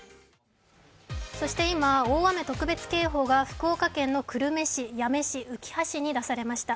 そして今、大雨特別警報が福岡県の久留米市、八女市、うきは市に出されました。